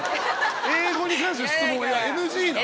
英語に関しての質問はＮＧなん？